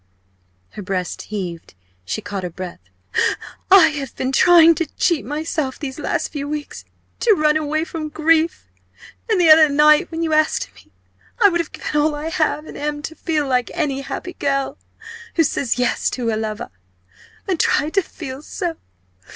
_" her breast heaved, she caught her breath. "I have been trying to cheat myself these last few weeks to run away from grief and the other night when you asked me I would have given all I have and am to feel like any happy girl, who says 'Yes' to her lover. I tried to feel so.